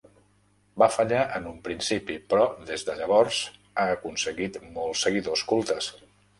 Va fallar en un principi, però des de llavors ha aconseguit molts seguidors cultes.